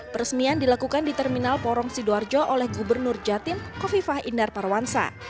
peresmian dilakukan di terminal porong sidoarjo oleh gubernur jatim kofifah indar parawansa